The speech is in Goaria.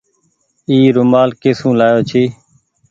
اي رومآل ڪي سون لآيو ڇي۔